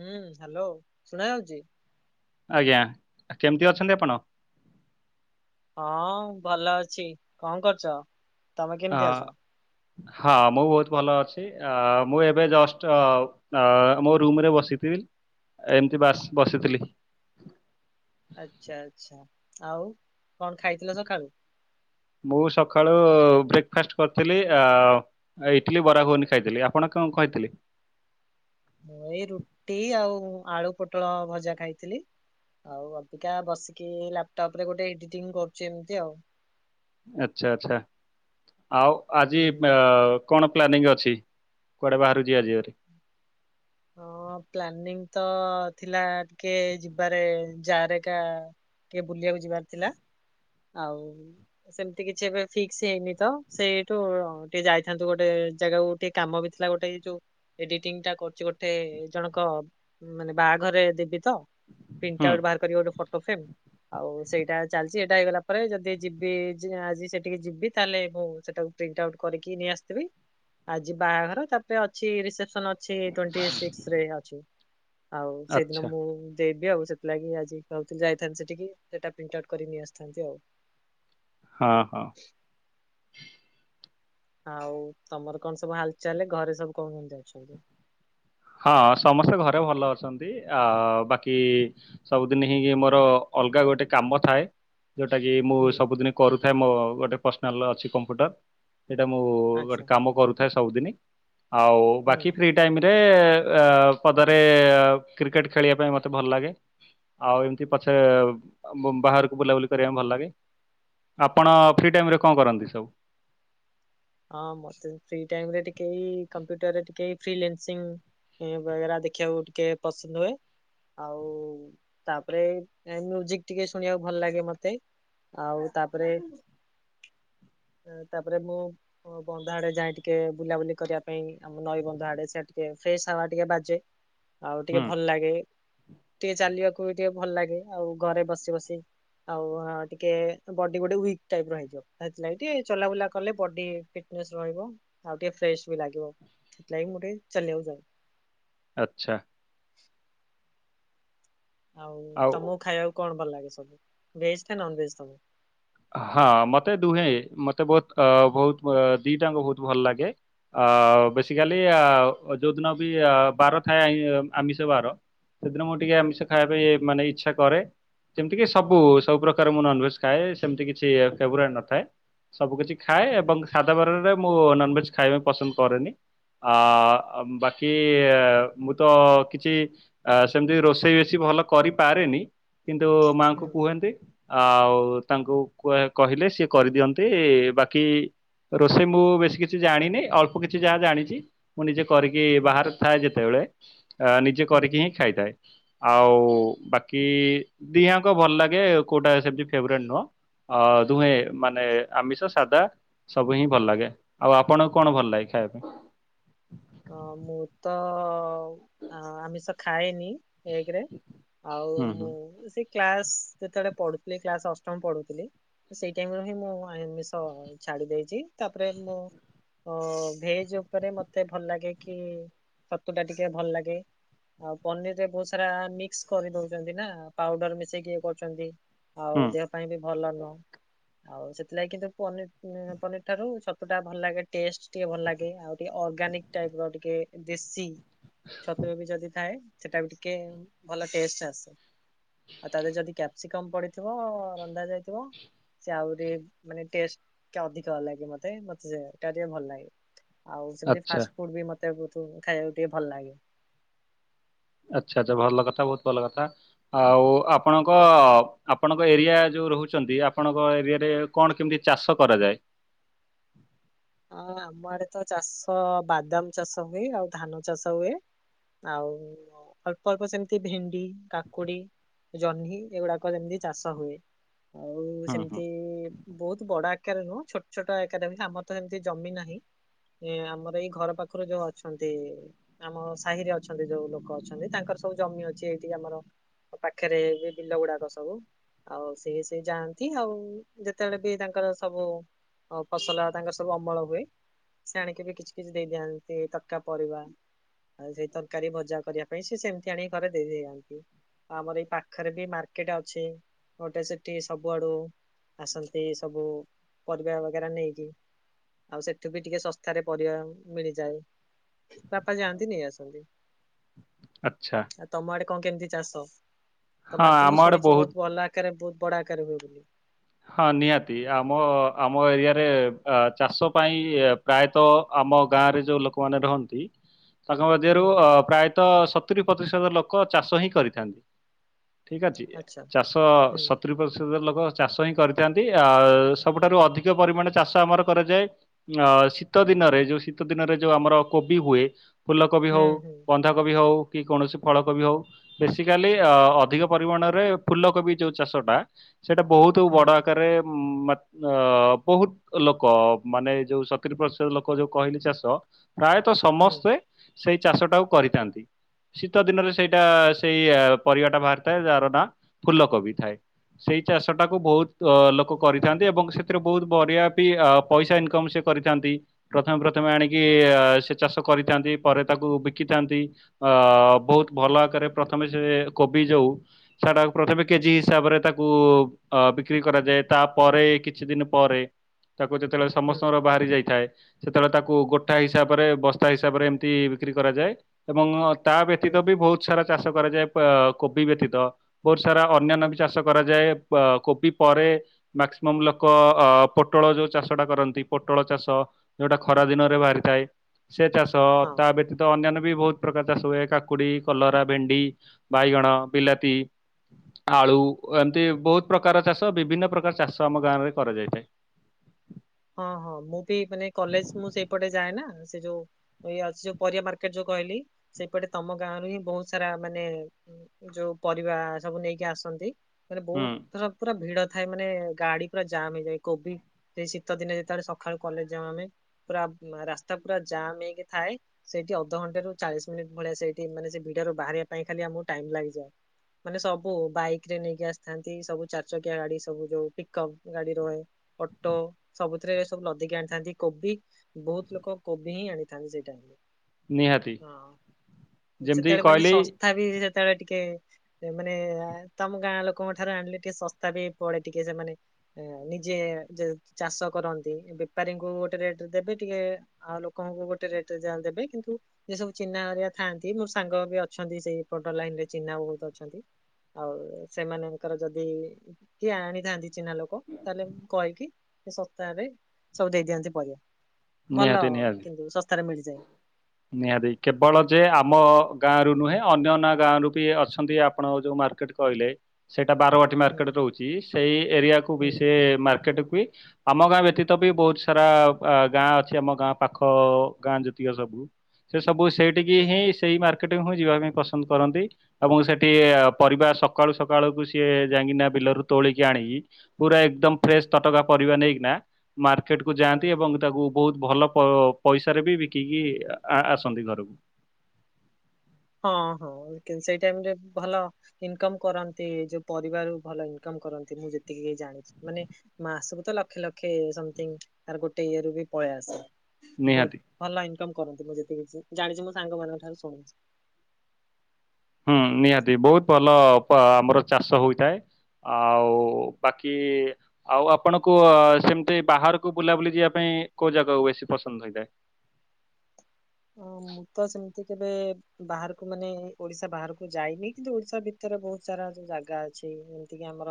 ହୁଁ ହାଲୋ ଶୁଣା ଯାଉଚି। ଆଜ୍ଞା କେମିତି ଅଛନ୍ତି ଆପଣ? ହଁ ଭଲ ଅଛି। କଣ କରୁଚ ତମେ ଅ କେମିତି ଅଛ? ହଁ ମୁଁ ବୋହୁତ ଭଲ ଅଛି ଅ ମୁଁ ଏବେ ଜଷ୍ଟ ଅ ମୋ ରୁମରେ ବସିଥି ଉଁ ଏମିତି ବାସ୍ ବସିଥିଲି। ଆଚ୍ଛା ଆଚ୍ଛା ଆଉ କଣ ଖାଇଥିଲ ସକାଳୁ? ମୁଁ ସକାଳୁ ବ୍ରେକଫାଷ୍ଟ କରିଥିଲି ଆଉ ଇଟଲିି ବରା ଗୁଗୁନି ଖାଇଥିଲି ଆପଣ କଣ ଖାଇଥିଲେ? ମୁଁ ଏଇ ରୁଟି ଆଉ ଆଳୁ ପୋଟଳ ଭଜା ଖାଇଥିଲି। ଆଉ ଅବିକା ବସିକି ଲାପଟପ ରେ ଗୋଟେ ଏଡିଟିଂ କରୁଚି ଏମିତି ଆଉ। ଆଚ୍ଛା ଆଚ୍ଛା ଆଉ ଆଜି ହୁଁ। କଣ ପ୍ଲାନିଂ ଅଛ। କୁଆଡ଼େ ବାହାରୁକୁ ଯିବା ଯିବାରେ? ହଁ ପ୍ଲାନିଂ ତ ଥିଲା ଟିକେ ଯିବାରେ ଯାରେକା। ଟିକେ ବୁଲିବାକୁ ଯିବାର ଥିଲା। ଆଉ ସେମିତି କିଛି ଏବେ ଫିକ୍ସ ହେଇନି ତ ସେଇଠୁ ଟିକେ ଯାଇଥାନ୍ତୁ ଗୋଟେ ଜାଗାକୁ ଟିକେ କାମ ବି ଥିଲା ଗୋଟେ ଏଇ ଯୋଉ ଏଡିଟିଂ ଟା କରୁଚି ଗୋ ଟେ ଜଣକ ମାନେ ବାହାଘରରେ ଦେବିତ। ପ୍ରିଣ୍ଟ ହୁଁ ଆଉଟ୍ ବାହାର କରିବି ଗୋଟେ ଫଟୋ ଫ୍ରେମ୍ ଆଉ ସେଇ ଟା ଚାଲିଚି ଏଟା ହେଇଗଲା ପରେ ଯଦି ଯିବି ଯି ଆଜି ସେଠିକି ଯିବି ତାହେଲେ ମୁ ସେଟାକୁ ପ୍ରିଣ୍ଟ ଆଉଟ୍ କରିକି ନେଇ ଆସିଥିବି ଆଜି ବାହାଘର ତାପରେ ଅଛି ରିସେପସନ ଅଛି। ଟ୍ବଣ୍ଟିସିକ୍ସ ରେ ଅଛି। ଆଉ ସେ ଦିନ ଆଚ୍ଛା ମୁଁ ଦେବି ଆଉ ସେଥିଲାଗି ଆଜି କୋହୁଥିଲ ଯାଇଥାନ୍ତି ସେଠିକି ସେଟା ପ୍ରିଣ୍ଟ ଆଉଟ କରି ନେଇ ଆସିଥାନ୍ତି ଆଉ। ହଁ, ହଁ। ଆଉ ତମର କଣ ସବୁ ହାଲଚାଲେ ଘରେ ସବୁ କଣ କେମିତି ଅଛନ୍ତି? ହଁ ସମସ୍ତେ ଘରେ ଭଲ ଅଛନ୍ତି। ଆ ବାକି ସବୁଦିନ ହିଁ ମୋର ଅଲଗା ଗୋଟେ କାମ ଥାଏ। ଯୋଉଟା କି ମୁଁ ହୁଁ ସବୁଦିନ କରୁଥାଏ। ମୋ ଗୋଟେ ପର୍ସନାଲ ଅଛି କମ୍ପ୍ୟୁଟର। ସେଇଟା ମୁଁ ଗୋଟେ ଆଚ୍ଛା କାମ କରୁଥାଏ ସବୁଦିନ ଆଉ ହୁଁ ବାକି ଫ୍ରି ଟାଇମ୍ ରେ ଆଉ ପଦାରେ କ୍ରିକେଟ ଖେଳିବା ପାଇଁ ମତେ ଭଲ ଲାଗେ। ଆଉ ଏମତି ପଛେ ବ-ବାହାରକୁ ବୁଲାବୁଲି କରିବା ପାଇଁ ଭଲ ଲାଗେ। ଆପଣ ଫ୍ରି ଟାଇମରେ କଣ କରନ୍ତି ସବୁ? ହଁ ମତେ ଫ୍ରି ଟାଇମ ରେ ଟିକେ ଏଇ କମ୍ପି ଟାରେ ଟିକେ ଫ୍ରି ଲେନ୍ସିଂଇ ବଗେରା ଦେଖିବାକୁ ଟିକେ ପସନ୍ଦ ହୁଏ। ଆଉ ତାପରେ ଏ ଏଇ ମ୍ୟୁଜିକ ଟିକେ ଶୁଣିବାକୁ ଭଲ ଲାଗେ ମତେ। ଆଉ ତାପରେ, ତାପରେ ମୁଁ ଅ ବନ୍ଧ ଆଡେ ଯାଏଁ ଟିକେ ବୁଲାବୁଲି କରିବା ପାଇଁ ଆମ ନଈ ବନ୍ଧ ଆଡେ ସିଆଡେ ଟିକେ ଫ୍ରେଶ ହାୱା ଟିକେ ବାଜେ। ଆଉ ଟିକେ ହୁଁ ଭଲ ଲାଗେ ଟିକେ ଚାଲିବାକୁ ବି ଟିକେ ଭଲ ଲାଗେ। ଆଉ ଘରେ ବସି ବସି ଆଉ ଅ ଟିକେ ବଡି ଗୋଟେ ୱିକ୍ ଟାଇପିର ହେଇଯିବ। ସେଥିଲାଗି ଟିକେ ଚଲାବୁଲା କଲେ ବଡି ଫିଟନେସ ରହିବ ଆଉ ଟିକେ ଫ୍ରେଶବି ଲାଗିବ ସେଥିଲାଗି ମୁଁ ଟିକେ ଚାଲିବାକୁ ଯାଏ। ଆଚ୍ଛା। ହ ଆଉ ତମକୁ ଖାଇବାକୁ କଣ ଭଲ ଲାଗେ ସବୁ ଭେଜ ନା ନନଭେଜ ତମକୁ? ହଁ ମତେ ଦୁହେଁ ମତେ ବୋହୁତ ଅ ବୋହୁତ ଅ ଦିଇଟାଙ୍କ ବୋହୁତ ଭଲ ଲାଗେ। ଆ ବେସିକାଲି ହୁଁ ଆ ଯୋଉ ଦିନ ବି ଆ ବାର ଥାଏ ଆମିଷ ବାର। ସେଦିନ ମୁଁ ଟିକେ ହୁଁ ଆମିଷ ଖାଇବା ପାଇଁ ମାନେ ଇଚ୍ଛା କରେ ଯେମିତି କି ସବୁ ସବୁ ପ୍ରକାର ମୁଁ ନନଭେଜ ଖାଏ। ସେମିତି କିଛି ଫେବରାଇଟ୍ ନଥାଏ ସବୁ କିଛି ଖାଏ ଏବଂ ସାଧା ବାରରେ ମୁଁ ନନଭେଜ ଖାଇବା ପାଇଁ ପସନ୍ଦ କରେନି। ଆ ବାକି ମୁଁ ତ କିଛି ସେମିତି ରୋଷେଇ ବେଶି ଭଲ କରିପାରେନି କିନ୍ତୁ ମାଙ୍କୁ ହୁଁ କୁହନ୍ତି ଆଉ ତାଙ୍କୁ କହିଲେ ସିଏ କରିଦିଅନ୍ତି ବାକି ରୋଷେଇ ମୁଁ ବେଶୀ କିଛି ଜାଣିନି ଅଳ୍ପ କିଛି ଯାହା ଜାଣିଛି ମୁଁ ନିଜେ କରିକି ବାହାରେ ଥାଏ ଯେତେବେଳେ ଆ ନିଜେ ହୁଁ କରିକି ହିଁ ଖାଇଥାଏ। ଆଉ ବାକି ଦିହାଙ୍କ ଭଲ ଲାଗେ କଉଟା ସେମିତି ଫେବରେଟ୍ ନୁହଁ। ଅ ଦୁହେଁ ମାନେ ଆମିଷ ସାଦା। ସବୁ ହିଁ ଭଲ ଲାଗେ ଆଉ ଆପଣଙ୍କୁ କଣ ଭଲ ଲାଗେ ଖାଇବା ପାଇଁ? ଅ ମୁ ତ ଆମିଷ ଖାଏନି। ଏକରେ ଆଉ ହୁଁ ହୁଁ ମୁଁ କ୍ଲାସ ଯେତେବେଳେ ପଢୁଥିଲି କ୍ଲାସଅଷ୍ଟମ ପଢୁଥିଲି ସେଇଟାଇମରୁ ହିଁ ମୁଁ ଆମିଷ ଛା ଛାଡିଦେଇଚି ତାପରେ ମୁଁ ଭେଜ ଉପରେ ମତେ ଭଲ ଲାଗେ କି ଛତୁଟା ଟିକେ ଭଲ ଲାଗେ। ଆଉ ପନିର ରେ ବହୁତ ସାରା ମିକ୍ସକରି ଦଉଛନ୍ତି ନା ପାଉଡର ମିଶେଇକି ଇଏ କରୁଛନ୍ତି। ଆଉ ହୁଁ ଦେହ ପାଇଁ ବି ଭଲ ନୁହଁ। ଆଉ ସେଥିଲାଗି କିନ୍ତୁ ପନି ପନିରଠାରୁ ଛତୁ ଟା ଭଲ ଲାଗେ ଟେଷ୍ଟ ଟିକେ ଭଲ ଲାଗେ ଆଉ ଟିକେ ଅର୍ଗାନିକ ଟାଇପର ଟିକେ ଦେଶୀ ଛତୁବି ଯଦି ଥାଏ। ସେଟାବି ଟିକେ ଭଲ ଟେଷ୍ଟ ଆସେ। ଆଉ ତାଧିଅରେ ଯଦି କ୍ୟାପ୍ସିକମ ପଡିଥିବ ରନ୍ଧା ଯାଇଥିବ। ସେ ଆହୁରି ମାନେ ଟେଷ୍ଟ ଟିକେ ଅଧିକ ଲାଗେ ମତେ ମତେ ସେଟା ଟିକେ ଭଲ ଲାଗେ। ଆଉ ସେମିତି ଆଚ୍ଛା ଫାଷ୍ଟଫୁଡ୍ ବି ମତେ ଖାଇବାକୁ ଟିକେ ଭଲ ଲାଗେ। ଆଚ୍ଛା ଆଛା ଭଲ କଥା ବହୁତ ଭଲ କଥା ଆଉ ଆପଣଙ୍କ ଆପଣଙ୍କ ଏରିଆ ଯୋଉ ରହୁଛନ୍ତି ଆପଣଙ୍କ ଏରିଆରେ କଣ କେମିତି ଚାଷ କରାଯାଏ। [inaudible] ହଁ ଆମଆଡେ ତ ଚାଷ ବାଦାମ ଚାଷ ହୁଏ ଆଉ ଧାନ ଚାଷ ହୁଏ। ଆଉ ଅଳ୍ପ ଅଳ୍ପ ସେମିତି ଭେଣ୍ଡି କାକୁଡି ଜହ୍ନି ଏଗୁଡାକ ଯେମିତି ଚାଷ ହୁଏ। ଆଉ ହୁଁ ହୁଁ ସେମିତି ବହୁତ ବଡ ଆକାରରେ ନୁହଁ ଛୋଟ ଛୋଟ ଆକାର ବି ଆମର ତ ଏମିତି ଜମି ନାହିଁ। ଏ ଆମର ଏଇ ଘର ପାଖରୁ ଯୋଉ ଅଛନ୍ତି ଆମ ସାହିରେ ଅଛନ୍ତି ଯୋଉ ଲୋକ ଅଛନ୍ତି ତାଙ୍କର ସବୁ ଜମି ଅଛି ଏଇଠି ଆମର ପାଖରେ ବି ବିଲ ଗୁଡାକ ସବୁ ଆଉ ସି ସି ଯାଆନ୍ତି ଆଉ ଯେତେବେଳେ ବି ତାଙ୍କର ସବୁ ଫସଲ ତାଙ୍କର ସବୁ ଅମଳ ହୁଏ ସେ ଆଣିକି ବି କିଛି କିଛି ଦେଇଯାଆନ୍ତି ତଟକା ପରିବା। ଆଉ ସେଇ ତରକାରୀ ଭଜା କରିବା ପାଇଁ ସେ ସେମିତି ଆଣିକି ଘରେ ଦେଇଦେଇ ଯାଆନ୍ତି। ଆମର ଏଇ ପାଖରେ ବି ମାର୍କେଟ ଅଛି ଗୋଟେ ସେଠି ସବୁଆଡୁ ଆସନ୍ତି ସବୁ ପରିବା ବଗେରା ନେଇକି। ଆଉ ସେଠୁ ବି ଟିକେ ଶସ୍ତାରେ ପରିବା ମିଳିଯାଏ। ବାପା ଯାଆନ୍ତି ନେଇ ଆସନ୍ତି। ଆଛା। ଆଉ ତମ ଆଡେ କଣ କେମିତି ଚାଷ ତମର ତ ମୁଁ ଆମ ଆଡେ ଶୁଣିଛି ବହୁତ ଭଲ ଆକାରରେ ବହୁତ ବଡ ଆକାରରେ ହୁଏ ବୋଲି। ହଁ ନିହାତି ଆମ ଆମ ଏରିଆରେ ଚାଷ ପାଇଁ ପ୍ରାୟତଃ! ଆମ ଗାଁରେ ଯୋଉ ଲୋକମାନୋନ ରହନ୍ତି ତାଙ୍କ ମଧ୍ୟରୁ ହୁଁ ଅ ପ୍ରାୟତଃ ସତୁୁରୀ ପ୍ରତିଶତ ଲୋକ ଚାଷ ହିଁ କରିଥାନ୍ତି। ଠିକ ଅଛି ଆଚ୍ଛା ଚାଷ ହୁଁ ସତୁରି ପ୍ରତିଶତ ଲୋକ ଚାଷ ହିଁ କରିଥାନ୍ତି ଆ ସବୁଠାରୁ ଅଧିକ ପରିମାଣ ଚାଷ ଆମର କରାଯାଏ ଶୀତ ଦିନ ଦିନରେ ଯୋଉ ଶୀତ ଦିନରେ ଯୋଉ ଆମର କୋବି ହୁଏ ଫୁଲ କୋବି ହୁଁ ହଉ ହୁଁ ବନ୍ଧାକୋବି ହଉ କି କୌଣସି ଫଳକୋବି ହଉ ବେସିକାଲି ଅଧିକ ପରିମାଣରେ ଫୁଲକୋବି ଯୋଉ ଚାଷଟା ସେଇଟା ବହୁତ ହୁଁ ବଡ ଆକାରରେେ ଅ ବହୁତ ଲୋକ ମାନେ ଯୋଉ ସତୁୁରୀ ପ୍ରତିଶତ ଲୋକ ଯୋଉ କହିଲେ ଚାଷ ପ୍ରାୟତଃ ହୁଁ ସମସ୍ତେ ସେଇ ଚାଷ ଟାକୁ କରିଥାନ୍ତି। ଶୀତ ଦିନରେ ସେଇଟା ସେଇ ପରିବାଟା ବାହାରିଥାଏ ଯାହାର ନାଁ ଫୁଲ କୋବି ଥାଏ। ସେଇ ଚାଷ ଟାକୁ ବହୁତ ଅ ଲୋକ ହୁଁ କରିଥାନ୍ତି ଏବଂ ସେ ବହୁତ ବଢିଆ ବି ପଇସା ଇନକମ ସେ କରିଥାନ୍ତି ପ୍ରଥମେ ପ୍ରଥମେ ଆଣିକି ଆଚ୍ଛା ଚାଷ କରିଥାନ୍ତି ପରେ ତାକୁ ବିକିଥାନ୍ତି ଅ ବହୁତ ହୁଁ ଭଲ ଆକାରରେ ପ୍ରଥମେ ସେ କୋବି ଯୋଉ ସେଟା ପ୍ରଥମେ କେଜି ହୁଁ ହିସାବରେ ତାକୁ ଅ ବିକ୍ରି କରାଯାଏ ତାପରେ କିଛି ଦିନ ପରେ ତାକୁ ଯେତେବେଳେ ହୁଁ ସମସ୍ତଙ୍କର ବାହାରି ଯାଇଥାଏ ସେତେବେଳେ ତାକୁ ଗୋଟା ହିସାବରେ ବସ୍ତା ହିସାବରେ ଏମିତି ବିକ୍ରି କରାଯାଏ ଏବଂ ତା ହୁଁ ବ୍ୟତୀତ ବି ବହୁତ ସାରା ଚାଷ କରାଯାଏ କୋବି ବ୍ୟତୀତ ବହୁତ ସାରା ଅନ୍ୟାନ୍ୟ ହୁଁ ବି ଚାଷ କରାଯାଏ। କୋବି ପରେ ମାକ୍ସିମମ୍ ଲୋକ ଅ ପୋଟଳ ଯୋଉ ଚାଷଟା କରନ୍ତି ପୋଟଳ ଚାଷ ଯୋଉଟା ଖରା ଦିନରେ ବାହାରିଥାଏ ସେ ଚାଷ ହଁ। ତା ବ୍ୟତୀତ ଅନ୍ୟାନ୍ୟ ବି ବହୁତ ପ୍ରକାର ଚାଷ ହୁଏ କାକୁଡି କଲରା ଭେଣ୍ଡି ବାଇଗଣ ବିଲାତି ଆଳୁ ଏମତି ବହୁତ ସୁ ପ୍ରକାର ଚାଷ ବିଭିନ୍ନ ପ୍ରକାର ଚାଷ ଆମ ଗାଁ ରେ କରାଯାଇଥାଏ। ହଁ ହଁ ମୁଁ ବି ମାନେ କଲେଜ ମୁଁ ସେଇପଟେ ଯାଏ ନା ସେ ଯୋଉ ଇ ଅ ଯୋଉ ପରିବା ମାର୍କେଟ ଯୋଉ କହିଲି ସେଇପଟେ ତମ ଗାଁ ର ହିଁ ବହୁତ ସାରା ମାନେ ଯୋଉ ପରିବା ସବୁ ନେଇକି ଆସନ୍ତି ମାନେ ହୁଁ ବହୁତ ଥର ପୁରା ଭିଡ ଥାଏ ମାନେ ଗାଡି ପୁରା ଜାମ୍ ହେଇଯାଏ କୋଭିଡ ଶୀତ ଦିନେ ଯେତେବେଳେ ସକାଳୁ କଲେଜ ଯ ଆମେ ପୁରା ରାସ୍ତା ପୁରା ଜାମ୍ ହେଇକି ଥାଏ ସେଇଠି ଅଧଘଣ୍ଟେ ର ଚାଳିଶ ମିନିଟ ଭଳିଆ ସେଇଠି ମାନେ ଭି ର ବାହାରିବା ପାଇଁ ଖାଲି ଆମକୁ ଟାଇମ ଲାଗିଯାଏ। ମାନେ ସବୁ ବାଇକରେ ନେଇକି ଆସିଥାନ୍ତି ସବୁ ଚାରି ଚକିଆ ଗାଡି ସବୁ ଯୋଉ ପିକଅପ୍ ଗାଡି ରହେ ଅଟୋ ସବୁଥିରେ ଏ ସବୁ ଲଦିକି ଆଣିଥାନ୍ତି କୋବି ବହୁତ ଲୋକ କୋବି ହିଁ ଆଣିଥାନ୍ତି ସେଇ ଟାଇମରେ ନିହାତି ହଁ ଯେମିତି ସେତେବେଳେ ମାନେ କହିଲି ଶସ୍ତା ବି ସେତେବେଳେ ଟିକେ ମାନେ ତମ ଗାଁ ଲୋକଙ୍କ ଠାରୁ ଆଣିଲେ ଟିକେ ଶସ୍ତା ବି ପଡେ ଟିକେ ସେମାନେ ଆ ନିଜେ ଯ ଚାଷ କରନ୍ତି ବେପାରୀଙ୍କୁ ଗୋଟେ ରେଟ ରେ ଦେବେ ଟିକେ ଆଉ ଲୋକଙ୍କୁ ଗୋଟେ ରେଟ ରେ ଦେବେ କିନ୍ତୁ ସେ ସବୁ ଚିହ୍ନା କରିବାଆ ଥାଆନ୍ତି ମୋର ସାଙ୍ଗ ବି ଅଛନ୍ତି ସେଇ ପଟ ଲାଇନରେ ଚିହ୍ନା ବହୁତ ଅଛନ୍ତି ଆଉ ସେମାନଙ୍କର ଯଦି କିଏ ଆଣିଥାନ୍ତି ଚିହ୍ନା ଲୋକ ତାହେଲେ ମୁ କହିକି ସେ ଶସ୍ତାରେ ସବୁ ଦେଇ ଦିଅନ୍ତି ପରିବା। ଭଲ ନିହାତି ଆ ନିହାତି କିନ୍ତୁ ଶସ୍ତାରେ ମିଳିଯାଏ। ନିହାତି କେବଳ ଯେ ଆମ ଗାଁରୁ ନୁହେଁ ଅନ୍ୟନ୍ୟ ଗାଁରୁ ବି ଅଛନ୍ତି ଆପଣ ଯୋଉମାନେ ମାର୍କେଟ କହିଲେ ସେଇଟା ବାରବାଟୀ ହୁଁ ମାର୍କେଟ ରହୁଛି ସେଇ ଏରିଆକୁ ହୁଁ। ବି ସେ ମାର୍କେଟକୁ ବି ଆମ ଗାଁ ବ୍ୟତୀତ ବି ବହୁତ ସାରା ଗାଁ ଅଛି ଆମ ଗାଁ ପାଖ ଗାଁ ଯେତିକ ସବୁ ସେ ସବୁ ସେଇଠିକି ଆଛା ହିଁ ସେଇ ମାର୍କେଟ ହଁ ଯିବା ପାଇଁ ପସନ୍ଦ କରନ୍ତି ଏବଂ ସେଠି ପରିବାାର ସକାଳୁ ସକାଳୁକୁ ସିଏ ଯାଇକିନା ବିଲ ତୋଳିକିଆଣିକି ପୁରା ଏକଦମ ହୁଁ ଫ୍ରେଶ ତଟକା ପରିବା ନେଇକିନା ମାର୍କେଟ କୁ ହୁଁ ଯାଆନ୍ତି ଏବଂ ତାକୁ ବହୁତ ଭଲ ପଇସାରେ ବି ବିକିକି ଆସନ୍ତି ଘରକୁ। ହଁ ହଁ ସେଇ ଟାଇମ ରେ ଭଲ ଇନକମ କରନ୍ତି ଯୋଉ ପରିବାର ଭଲ ଇନକମ୍ କରନ୍ତି ମୁଁ ଯେତିକି ଜାଣିଛି ମାନେ ମାସକୁ ତ ଲକ୍ଷେ ଲକ୍ଷେ ସମଥିଙ୍ଗ ତାର ଗୋଟେ ଇଏ ରୁ ବି ପଳେଇ ଆସେ ବହୁତ ନିହାତି। ଭଲ ଇନକମ୍ କରନ୍ତି। ମୁଁ ଯେତିକି ଜାଣିଛି ମୁଁ ସାଙ୍ଗ ମାନଙ୍କ ଠାରୁ ଶୁଣିଛି। ହୁଁ ନିହାତି ବହୁତ ଭଲ ଆ ଆମର ଚାଷ ହୋଇଥାଏ। ଆଉ ବାକି ଆଉ ଆପଣଙ୍କୁ ସେମିତି ବାହାରକୁ ବୁଲାବୁଲି ଯିବା ପାଇଁ କୋଉ ଜାଗାକୁ ବେଶୀ ପସନ୍ଦ ହୋଇଥାଏ? ହଁ ମୁଁ ତ ସେମିତି କେବେ ବାହାରକୁ ମାନେ ଓଡିଶା ବାହାରକୁ ଯାଇନି କିନ୍ତୁ ଓଡିଶା ଭିତରେ ବହୁତ ସାରା ଯୋଉ ଜାଗା ଅଛି। ଅଛି ଏମିତିକି ଆମର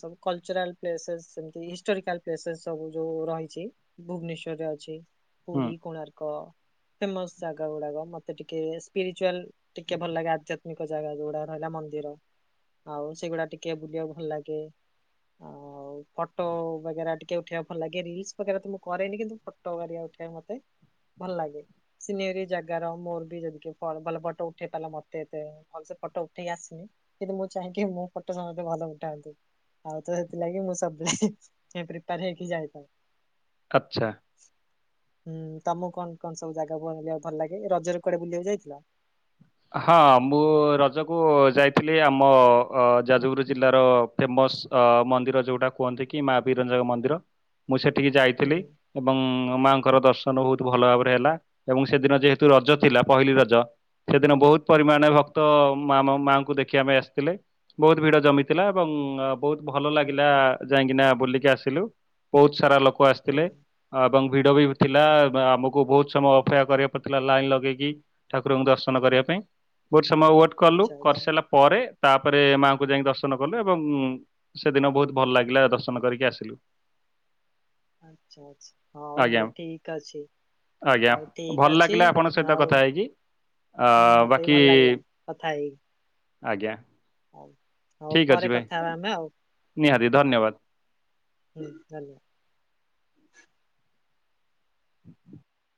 ସବୁ କଲଚରାଲ୍ ସ୍ପେସ ସେମିତି ହିଷ୍ଟୋରିକାଲ ସ୍ପେସ ସବୁ ଯୋଉ ରହିଛି ଭୁବନେଶ୍ୱର୍ ଟ ଅଛି। ହୁଁ ପୁରୀ, କୋଣାର୍କ ଫେମସ ଜାଗା ଗୁଡାକ ମତେ ଟିକେ ସ୍ପିରିଚୁରାଲ ଟିକେ ଭଲ ଲାଗେ ଆଜି ଯଦି ଜାଗା ଯୋଗୁଡା ରହିଲା ମନ୍ଦିର ଆଉ ସେଗୁଡା ଟିକେ ବୁଲିବାକୁ ଭଲ ଲାଗେ। ଆଉ ଫଟ ବେଗେରା ଟିକେ ଉଠେଇବା ଭଲ ଲାଗେ ରିଲସ ବେଗେରା ତ ମୁଁ କରେନି କିନ୍ତୁ ଫଟୋ ଠାଇ ମତେ ଭଲ ଲାଗେ। ସିନେରି ଜାଗାର ମୋର ବି ଯଦି କିଏ ଭଲ ଫଟୋ ଉଠେଇ ପାରିଲା ମୋତେ ଫଟୋ ଉଠେଇ ଆସିବ କିନ୍ତୁ ମୁଁ ଚାହିଁକି ମୋ ଫଟୋ ସମସ୍ତେ ଭଲ ଉଠାନ୍ତୁ। ଆଉ ତ ସେଥିଲାଗି ମୁଁ ସବୁବେଳେ ପ୍ରିପାର ହେଇକି ଯାଇଥାଉ। ଆଚ୍ଛା। ହୁଁ ତମକୁ କଣ କଣ ସବୁ ଜାଗା ବୁଲିବାକୁ ଭଲ ଲାଗେ। ରଜର କଆଡେ ବୁଲିବାକୁ ଯାଇଥିଲ? ହଁ ମୁଁ ରଜକୁ ଯାଇଥିଲି ଆମ ଯାଜପୁର ଜିଲ୍ଲାର ଫେମସ୍ ଅ ମନ୍ଦିର ଯୋଉଟା କୁହନ୍ତି କି ମା ବିରଜାଙ୍କ ମନ୍ଦିର। ମୁଁ ସେଠିକି ହୁଁ ଯାଇଥିଲି ଏବଂ ମାଙ୍କର ଦର୍ଶନ ବହୁତ ଭଲ ଭାବରେ ହେଲା ଏବଂ ସେଦିନ ଯେହେତୁ ରଜ ଥିଲା ପହିଲି ରଜ ସେଦିନ ବହୁତ ହୁଁ ପରିମାଣ ଭକ୍ତ ମ ମାଙ୍କୁ ଦେଖି ଆମେ ଆସିଥିଲେ ବହୁତ ଭିଡ ଜମିଥିଲା ଏବଂ ବହୁତ ଭଲ ଲାଗିଲା। ଯା କାହିଁକି ନା ବୁଲିକି ଆସିଲୁ ବହୁତ ସାରା ଲୋକ ହୁଁ ଆସିଥିଲେ। ଆ ଏବଂ ଭିଡ ବି ଥିଲା ଆମକୁ ବହୁତ ସମୟ ଅପେକ୍ଷା କରିବାକୁ ପଡିଥିଲା ଲାଇନ ଲଗେଇକି ଠାକୁରଙ୍କୁ ଦର୍ଶନ କରିବା ପାଇଁ ବହୁତ ସମୟ ୱେଟ କଲୁ ଆଚ୍ଛା ଆଚ୍ଛା କରିସାରିଲା ପରେ ତାପରେ ମା ଙ୍କୁ ତାକୁ ଯାଇକି ଦର୍ଶନ କଲୁ ଏବଂ ସେଦିନ ବହୁତ ଭଲ ଲାଗିଲା ଦର୍ଶନ କରିକି ଆସିଲୁ। ଆଛା ଆଛା ହଉ ଆଜ୍ଞା ହଉ ଠିକ୍ ଅଛି। ଆଜ୍ଞା ହଉ ଠିକ ଭଲ ଅଛି ଲାଗିଲା ଆପଣଙ୍କ ସହିତ ଆଉ କଥା ହେଇକି। ଆ ହୁଁ ମତେ ବି ବାକି ଭଲ ଲାଗିଲା କଥା ହେଇକି। ଆଜ୍ଞା। ହଉ। ହଉ ଠିକ୍ ପରେ ଅଛି ଭାଇ କଥା ହେବା ଆମେ ଆଉ। ନିହାତି ଧନ୍ୟବାଦ ହ ତା [unintelligible] [inaudible]